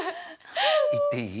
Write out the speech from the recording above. いっていい？